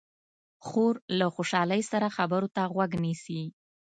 خور له خوشحالۍ سره خبرو ته غوږ نیسي.